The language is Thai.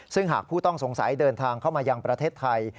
ซึ่งหากผู้ต้องสงสัยเดินทางเข้ามายังประเทศไทย